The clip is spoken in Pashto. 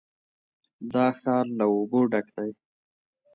دا ښار له اوبو ډک دی.